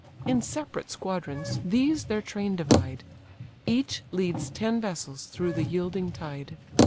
In separate squadrons these their train divide, Each leads ten vessels through the yielding tide.